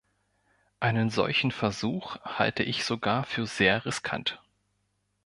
Einen solchen Versuch halte ich sogar für sehr riskant.